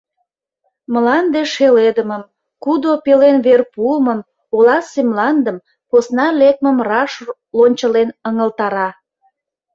Мланде шеледымым, кудо пелен вер пуымым, оласе мландым, посна лекмым раш лончылен ыҥылтара.